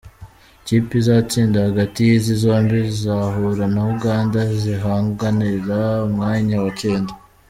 Ikipe izatsinda hagati y’izi zombi izahura na Uganda zihanganira umwanya wa cyenda.